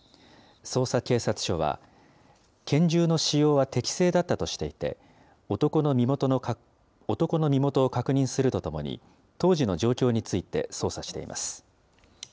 匝瑳警察署は、拳銃の使用は適正だったとしていて、男の身元を確認するとともに、当時の状況について捜査しています。